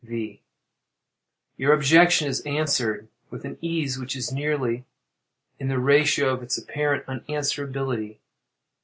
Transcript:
V. Your objection is answered with an ease which is nearly in the ratio of its apparent unanswerability.